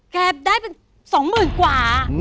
แกบได้เป็นสองหมื่นกว่า